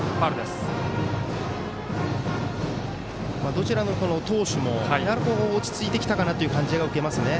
どちらの投手も落ち着いてきたかなという感じが受けますね。